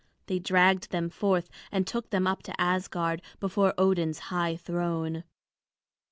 They dragged them forth and took them up to Asgard, before Odin's high throne.